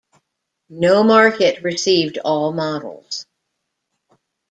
No market received all models.